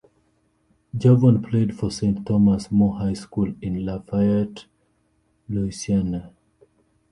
Javon played for Saint Thomas More High School in Lafayette, Louisiana.